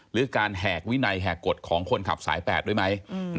หรือการแหกวินัยแหกกฎของคนขับสาย๘ด้วยไหม